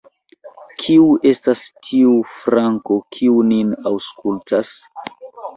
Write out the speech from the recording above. Kiu estas tiu _Franko_, kiu nin aŭskultas?